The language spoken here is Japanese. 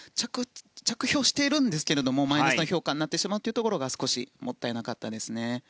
着氷しているんですがマイナス評価になってしまうのが少しもったいなかったですね。